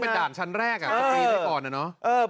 เป็นด่านชั้นแรกค่ะและก็มีกรณีต่อ